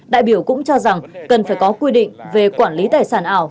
đại biểu cũng cho rằng cần phải có quy định về quản lý tài sản ảo